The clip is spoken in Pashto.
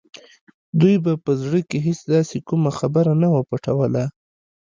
دوی به په زړه کې هېڅ داسې کومه خبره نه وه پټوله